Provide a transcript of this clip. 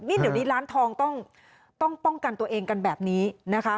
นี่เดี๋ยวนี้ร้านทองต้องป้องกันตัวเองกันแบบนี้นะคะ